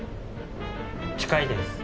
近いです